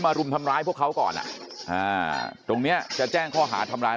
มารุ่มทำร้าไว้เพราะเขาก่อนอ่ะตรงนี้จะแจ้งข้อหาทำร้าย